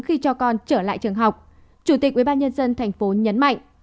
khi cho con trở lại trường học chủ tịch ubnd tp nhấn mạnh